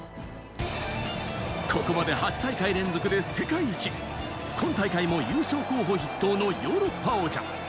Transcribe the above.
ここまで８大会連続で世界一、今大会も優勝候補筆頭のヨーロッパ王者。